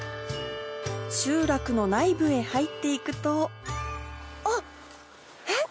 集落の内部へ入って行くとあっえっ？